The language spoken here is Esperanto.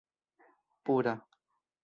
pura